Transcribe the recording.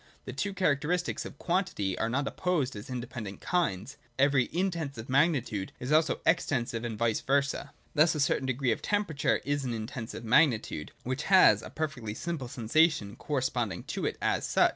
The two characteristics of quantity are not opposed as independent kinds. Every In tensive magnitude is also Extensive, and vice versa. Thus a certain degree of temperature is an Intensive magnitude, which has a perfectly simple sensation corresponding to it as such.